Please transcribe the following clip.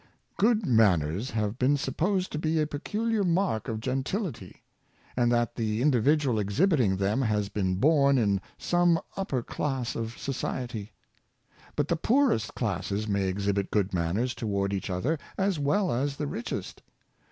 Good manners have been supposed to be a peculiar mark of gentility, and that the individual exhibiting them has been born in some upper class of society. But the poorest classes may exhibit good manners to ward each other, as well as the richest.